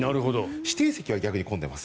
指定席は逆に混んでいます